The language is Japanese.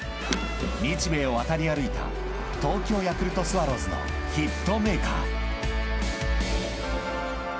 ［日米を渡り歩いた東京ヤクルトスワローズのヒットメーカー］